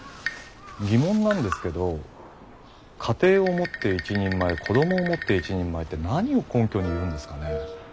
疑問なんですけど家庭を持って一人前子どもを持って一人前って何を根拠に言うんですかね？